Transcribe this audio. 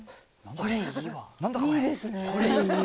これいい。